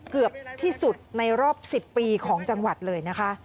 เกือบที่สุดในรอบ๑๐ปีของจังหวัดเลยนะคะ